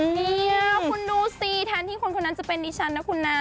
เนี่ยคุณดูสิแทนที่คนคนนั้นจะเป็นดิฉันนะคุณนะ